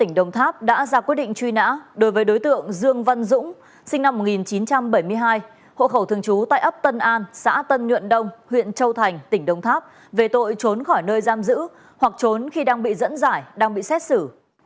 tỉnh đồng tháp đã ra quyết định truy nã đối với đối tượng dương văn dũng sinh năm một nghìn chín trăm bảy mươi hai hộ khẩu thường trú tại ấp tân an xã tân nhuận đông huyện châu thành tỉnh đồng tháp về tội trốn khỏi nơi giam giữ hoặc trốn khi đang bị dẫn giải đang bị xét xử